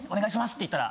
って言ったら。